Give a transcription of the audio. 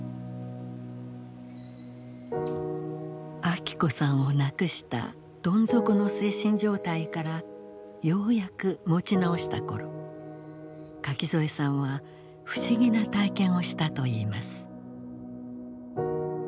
昭子さんを亡くしたどん底の精神状態からようやく持ち直した頃垣添さんは不思議な体験をしたといいます。